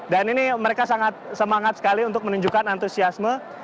dan ini mereka sangat semangat sekali untuk menunjukkan antusiasme